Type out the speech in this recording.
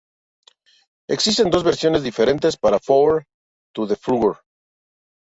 Existen dos versiones diferentes para "Four to the Floor".